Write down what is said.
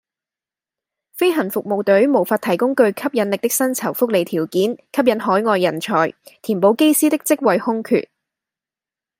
飛行服務隊無法提供具吸引力的薪酬福利條件吸引海外人才，填補機師的職位空缺